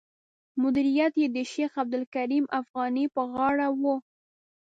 مدیریت یې د شیخ عبدالکریم افغاني پر غاړه و.